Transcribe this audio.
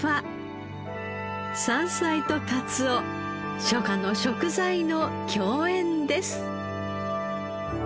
山菜とかつお初夏の食材の共演です。